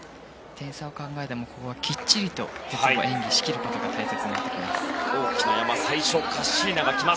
点差を考えてもしっかり鉄棒を演技しきることが大切になってきます。